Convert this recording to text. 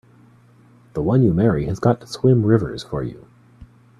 The one you marry has got to swim rivers for you!